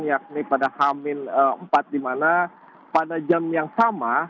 yakni pada hamin empat di mana pada jam yang sama